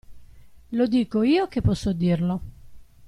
Lo dico io che posso dirlo.